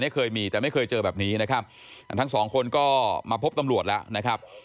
เคยมีแต่ไม่เคยเจอแบบนี้นะครับทั้งสองคนก็มาพบตำรวจแล้วนะครับ